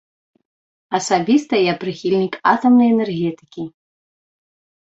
Асабіста я прыхільнік атамнай энергетыкі.